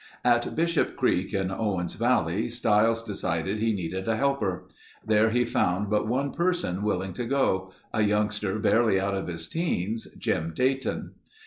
At Bishop Creek in Owens Valley Stiles decided he needed a helper. There he found but one person willing to go—a youngster barely out of his teens—Jim Dayton.